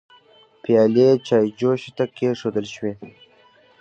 پيالې چايجوشه ته کيښودل شوې.